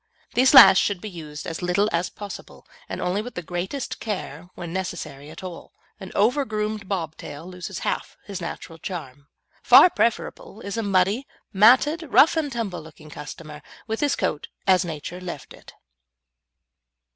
These last should be used as little as possible, and only with the greatest care when necessary at all. An over groomed bob tail loses half his natural charm. Far preferable is a muddy, matted, rough and tumble looking customer, with his coat as Nature left it.